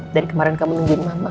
dari kemarin kamu nungguin mama